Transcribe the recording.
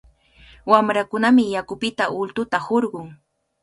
Wamrakunami yakupita ultuta hurqun.